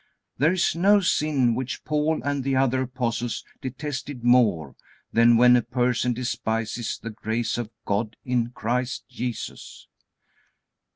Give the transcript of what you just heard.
There is no sin which Paul and the other apostles detested more than when a person despises the grace of God in Christ Jesus.